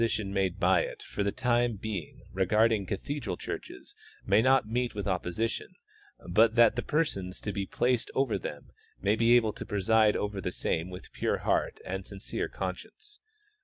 tions made by it for the time being regarding cathedral churches may not meet with opposition, l^ut tliat the persons to be placed over them may be able to preside over the same with pure heart and sincere conscience.